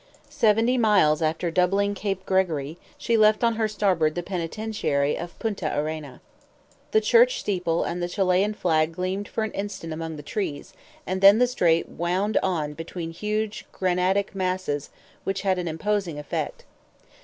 Seventy miles after doubling Cape Gregory, she left on her starboard the penitentiary of Punta Arena. The church steeple and the Chilian flag gleamed for an instant among the trees, and then the strait wound on between huge granitic masses which had an imposing effect.